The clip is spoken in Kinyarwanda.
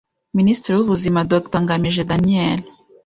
Minisitiri w’Ubuzima, Dr Ngamije Daniel,